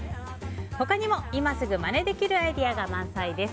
他にも、今すぐまねできるアイデアが満載です。